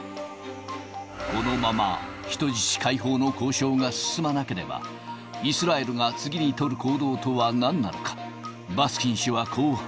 このまま人質解放の交渉が進まなければ、イスラエルが次に取る行動とはなんなのか。